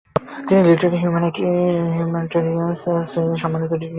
তিনি literary হিউম্যানিওরেস-এ চতুর্থ-শ্রেণির সাম্মানিক degree অর্জন করেন।